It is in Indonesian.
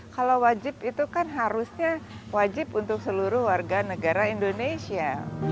kalau wajib itu kan harusnya wajib untuk seluruh warga negara indonesia